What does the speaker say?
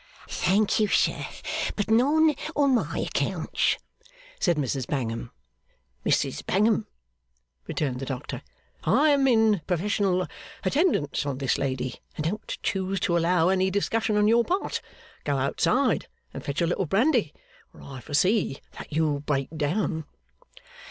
'Thank you, sir. But none on my accounts,' said Mrs Bangham. 'Mrs Bangham,' returned the doctor, 'I am in professional attendance on this lady, and don't choose to allow any discussion on your part. Go outside and fetch a little brandy, or I foresee that you'll break down.